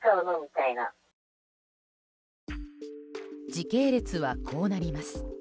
時系列は、こうなります。